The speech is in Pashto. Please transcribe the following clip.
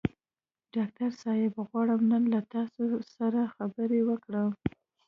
ډاکټر صاحب غواړم نن له تاسو سره خبرې وکړم.